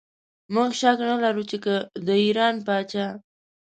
موږ شک نه لرو چې که د ایران پاچا.